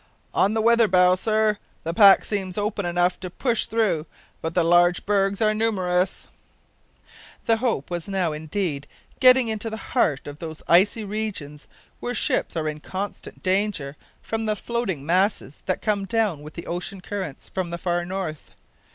"On the weather bow, sir, the pack seems open enough to push through, but the large bergs are numerous." The Hope was now indeed getting into the heart of those icy regions where ships are in constant danger from the floating masses that come down with the ocean currents from the far north.